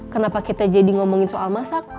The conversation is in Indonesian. kenapa kita jadi ngomongin soal masak